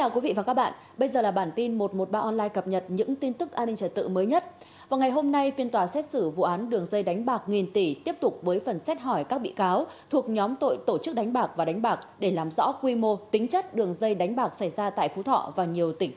cảm ơn các bạn đã theo dõi